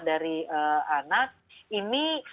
dari anak ini